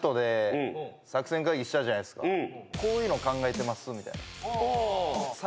「こういうのを考えてます」みたいな。